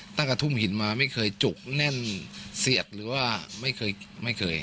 ตั้งความทุ่มหินมาไม่เคยจุกแน่นเสียดหรือว่าไม่เคย